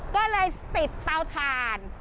ก็เลยติดเตาถ่าน